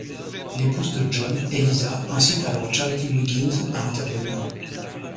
L'épouse de John, Eliza, incite alors Charity Wiggins à intervenir.